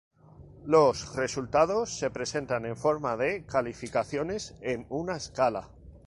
Los resultados se presentan en forma de calificaciones en una escala.